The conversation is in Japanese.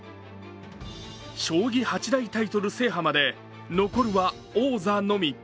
将棋八大タイトル制覇まで残るは王座のみ。